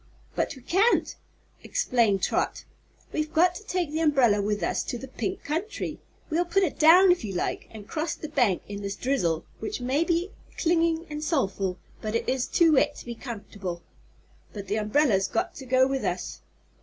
"But we can't," explained Trot. "We've got to take the umbrella with us to the Pink Country. We'll put it down, if you like, an' cross the bank in this drizzle which may be clingin' an' soulful, but is too wet to be comfort'ble. But the umbrella's got to go with us."